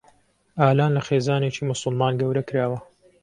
ئالان لە خێزانێکی موسڵمان گەورە کراوە.